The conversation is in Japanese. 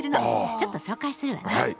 ちょっと紹介するわね。